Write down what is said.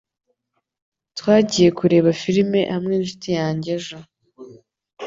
Twagiye kureba film hamwe ninshuti yanjye ejo.